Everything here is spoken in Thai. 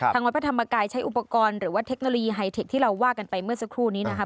วัดพระธรรมกายใช้อุปกรณ์หรือว่าเทคโนโลยีไฮเทคที่เราว่ากันไปเมื่อสักครู่นี้นะครับ